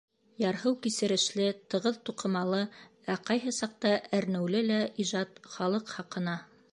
Ярһыу кисерешле, тығыҙ туҡымалы, ә ҡайһы саҡта әрнеүле лә ижад — халыҡ хаҡына!